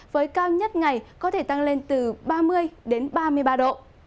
với cao nhất ngày có thể tăng lên từ ba mươi đến ba mươi ba độ